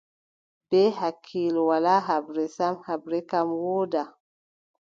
Bee hakkiilo, walaa haɓre sam, haɓre kam wooda.